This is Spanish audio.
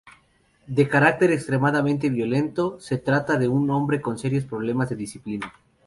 De carácter extremadamente violento, se trata de un hombre con serios problemas de disciplina.